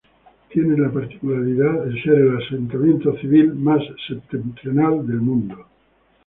Tiene la particularidad de ser el asentamiento civil más septentrional del mundo.